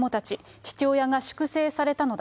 父親が粛清されたのだ。